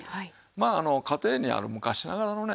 まあ家庭にある昔ながらのね